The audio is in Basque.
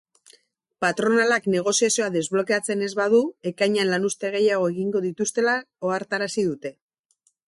Patronalak negoziazioa desblokeatzen ez badu, ekainean lanuzte gehiago egingo dituztela ohartarazi dute.